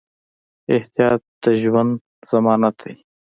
احتیاط د ژوند ضمانت دی.